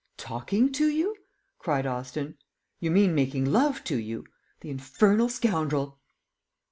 "Talking to you!" cried Austin; "you mean making love to you! The infernal scoundrel!"